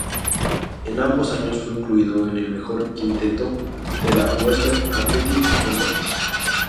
En ambos años fue incluido en el mejor quinteto de la Western Athletic Conference.